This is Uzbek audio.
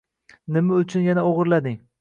Nima uchun yana o‘g‘irlading?